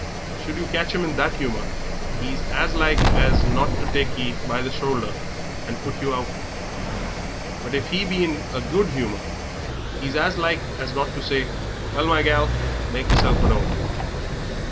Should you catch him in that humour 'e's as like as not to take ye by the shoulder and put you out; but if he be in a good humour 'e's as like as not to say, 'Well, my gal, make yerself at 'ome.'"